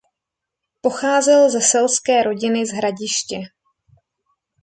Pocházel ze selské rodiny z Hradiště.